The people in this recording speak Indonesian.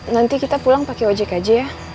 nanti kita pulang pakai ojek aja ya